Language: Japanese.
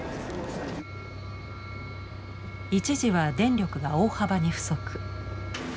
一時は電力が大幅に不足。